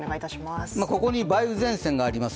ここに梅雨前線があります。